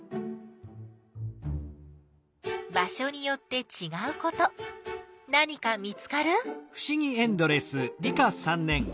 場所によってちがうこと何か見つかる？